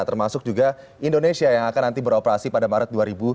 termasuk juga indonesia yang akan nanti beroperasi pada maret dua ribu dua puluh